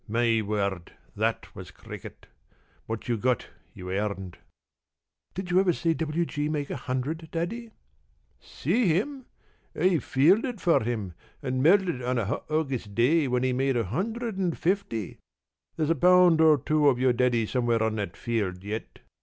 My word, that was cricket. What you got you earned." "Did you ever see W. G. make a hundred, Daddy?" "See him! I've fielded out for him and melted on a hot August day while he made a hundred and fifty. There's a pound or two of your Daddy somewhere on that field yet.